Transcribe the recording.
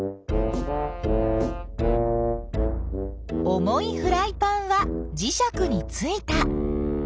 重いフライパンはじしゃくについた。